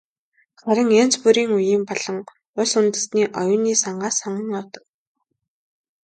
Харин янз бүрийн үеийн болон улс үндэстний оюуны сангаас сонгон авдаг.